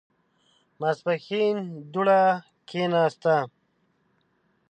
ماسپښين دوړه کېناسته.